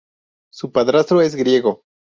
Su padrastro es griego.